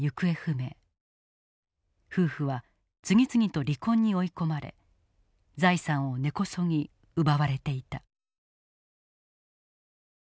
夫婦は次々と離婚に追い込まれ財産を根こそぎ奪われていた。